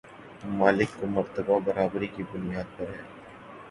ممالک کو مرتبہ برابری کی بنیاد پر ہے